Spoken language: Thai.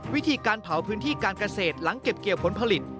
วิธีการเผาพื้นที่การเกษตรหลังเก็บเกี่ยวผลผลิต